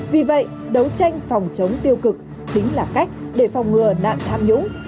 vì vậy đấu tranh phòng chống tiêu cực chính là cách để phòng ngừa nạn tham nhũng